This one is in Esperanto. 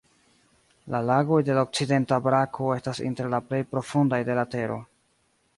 La lagoj de la okcidenta brako estas inter la plej profundaj de la Tero.